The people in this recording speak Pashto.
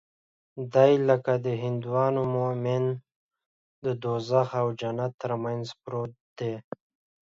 دى لکه د هندوانو مومن د دوږخ او جنت تر منځ پروت دى.